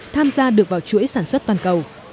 tham gia được vào chuỗi sản xuất toàn cầu